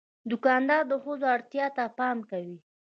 دوکاندار د ښځو اړتیا ته پام کوي.